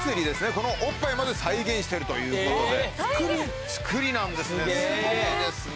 このおっぱいまで再現してるということですごいですね